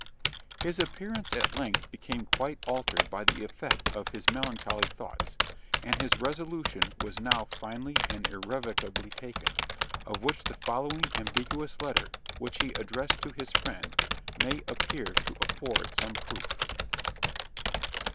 His appearance at length became quite altered by the effect of his melancholy thoughts; and his resolution was now finally and irrevocably taken, of which the following ambiguous letter, which he addressed to his friend, may appear to afford some proof.